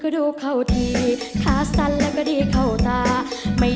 เรียบร้ายร้าย